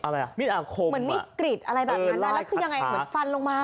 แล้วเป็นยังไงเหมือนฟันลงมาหรอ